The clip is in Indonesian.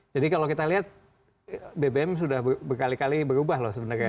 jadi kalau kita lihat bbm sudah berkali kali berubah loh sebenarnya